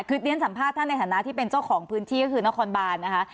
คือเรียนสัมภาษณ์ท่านในฐานะที่เป็นเจ้าของพื้นที่ก็คือนครบานนะคะ